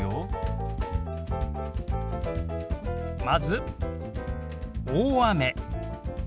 まず「大雨」。